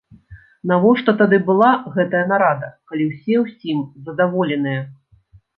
Навошта тады была гэтая нарада, калі ўсе ўсім задаволеныя?